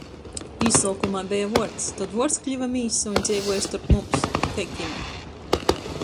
Īsuokumā beja vuords. Tod vuords kliva mīsa un dzeivuoja storp mums - kai kina.